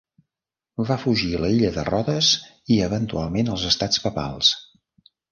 Va fugir a l'illa de Rodes, i eventualment als Estats Papals.